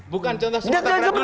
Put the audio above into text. bukan contoh sementara dulu